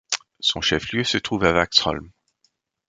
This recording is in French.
Son chef-lieu se trouve à Vaxholm.